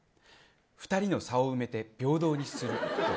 ２人の差を埋めて平等にする。